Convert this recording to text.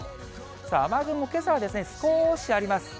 さあ、雨雲、けさはですね、少しあります。